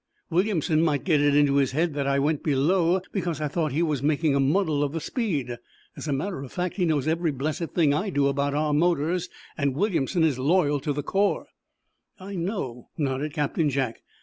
"Williamson might get it into his head that I went below because I thought he was making a muddle of the speed. As a matter of fact, he knows every blessed thing I do about our motors, and Williamson is loyal to the core." "I know," nodded Captain Jack.